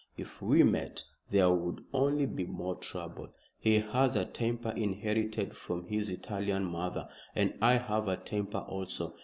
If we met, there would only be more trouble. He has a temper inherited from his Italian mother, and I have a temper also.